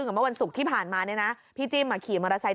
มันกลับมาที่สุดท้ายแล้วมันกลับมาที่สุดท้ายแล้ว